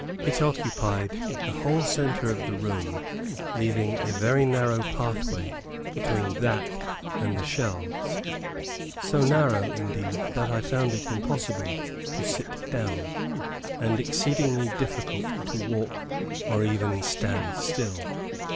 It occupied the whole center of the room leaving a very narrow pathway between that, and the shelves; so narrow, indeed, that I found it impossible to sit down, and exceedingly difficult to walk or even stand still.